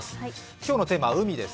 今日のテーマは海です。